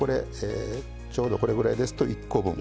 ちょうどこれぐらいですと１コ分。